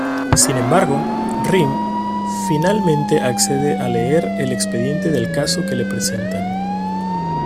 Sin embargo, Rhyme finalmente accede a leer el expediente del caso que le presentan.